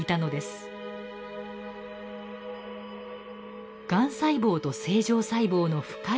がん細胞と正常細胞の深いつながり。